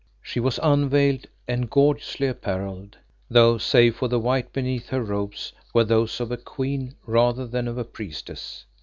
She was unveiled and gorgeously apparelled, though save for the white beneath, her robes were those of a queen rather than of a priestess.